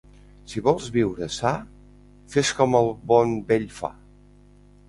Si vols viure sa, fes com el bon vell fa.